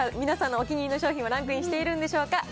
皆さんのお気に入りの商品はランクインしてるんでしょうか。